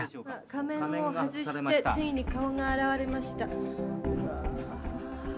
仮面を外してついに顔が現れました。